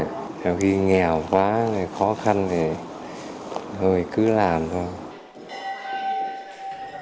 nếu khi nghèo quá khó khăn thì rồi cứ làm thôi